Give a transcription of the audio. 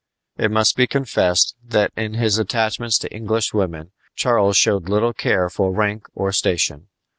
It must be confessed that in his attachments to English women Charles showed little care for rank or station.